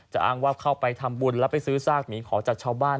อ้างว่าเข้าไปทำบุญแล้วไปซื้อซากหมีขอจากชาวบ้าน